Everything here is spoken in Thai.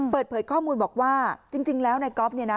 เปิดเผยข้อมูลบอกว่าจริงแล้วนายก๊อฟเนี่ยนะ